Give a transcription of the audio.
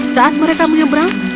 saat mereka menyeberang